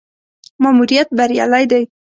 ماموریت بریالی دی.